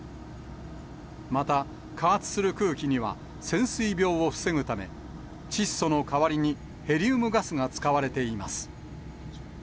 また、加圧する空気には潜水病を防ぐため、窒素の代わりにヘリウムガスが使われています。